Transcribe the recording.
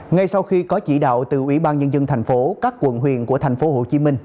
ngay sau khi có chỉ đạo từ ủy ban nhân dân thành phố các quận huyền của thành phố hồ chí minh